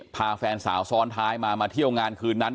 พาแฟนสาวซ้อนท้ายมามาเที่ยวงานคืนนั้น